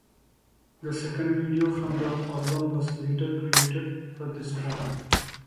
The second video from the album was later created for this track.